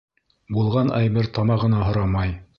Булған әйбер тамағына һорамай.